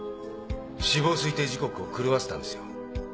死亡推定時刻を狂わせたんですよ。